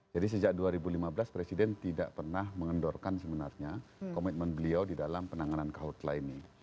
jadi sejak dua ribu lima belas presiden tidak pernah mengendorkan sebenarnya komitmen beliau di dalam penanganan kaut lainnya